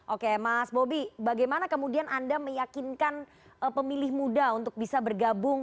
oke mas bobi bagaimana kemudian anda meyakinkan pemilih muda untuk bisa bergabung